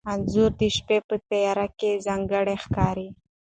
انځور د شپې په تیاره کې ځانګړی ښکاري.